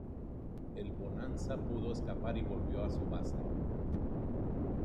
El "Bonanza" pudo escapar y volvió a su base.